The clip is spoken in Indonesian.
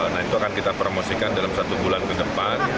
nah itu akan kita promosikan dalam satu bulan ke depan